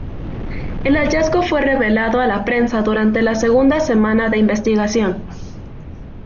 El hallazgo fue revelado a la prensa durante la segunda semana de investigación.